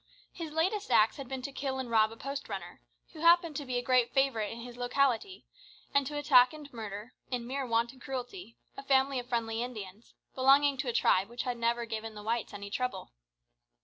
His latest acts had been to kill and rob a post runner, who happened to be a great favourite in his locality, and to attack and murder, in mere wanton cruelty, a family of friendly Indians, belonging to a tribe which had never given the whites any trouble.